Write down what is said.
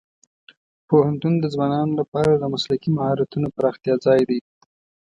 پوهنتون د ځوانانو لپاره د مسلکي مهارتونو پراختیا ځای دی.